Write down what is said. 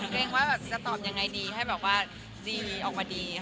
เกรงว่าจะตอบยังไงดีให้แบบว่าดีออกมาดีค่ะ